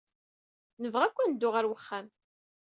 Nebɣa akk ad neddu ɣer wexxam.